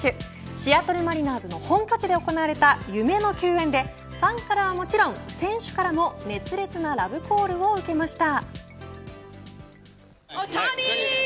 シアトルマリナーズの本拠地で行われた夢の球宴でファンからはもちろん選手からも熱烈なラブコールを受けました。